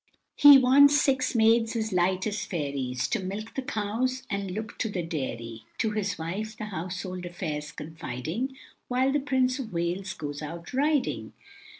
He wants six maids as light as fairies, To milk the cows and look to the dairy, To his wife the household affairs confiding, While the Prince of Wales goes out riding.